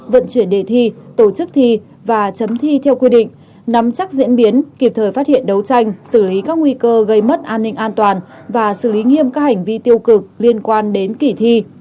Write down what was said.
vận chuyển đề thi tổ chức thi và chấm thi theo quy định nắm chắc diễn biến kịp thời phát hiện đấu tranh xử lý các nguy cơ gây mất an ninh an toàn và xử lý nghiêm các hành vi tiêu cực liên quan đến kỷ thi